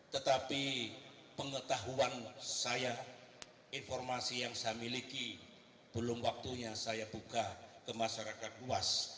tetapi pengetahuan saya informasi yang saya miliki belum waktunya saya buka ke masyarakat luas